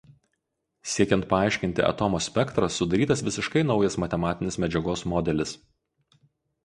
Siekiant paaiškinti atomo spektrą sudarytas visiškai naujas matematinis medžiagos modelis.